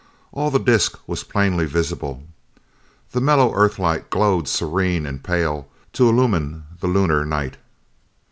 All the disc was plainly visible. The mellow Earthlight glowed serene and pale to illumine the Lunar night.